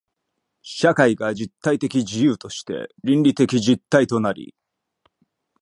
社会が実体的自由として倫理的実体となり、